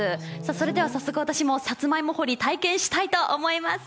それでは早速、私もさつまいも掘り、体験したいと思います。